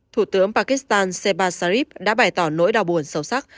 thủ tướng pakistan seba sharif đã bày tỏ nỗi đau buồn sâu sắc